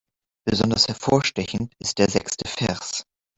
Besonders hervorstechend ist der sechste Vers.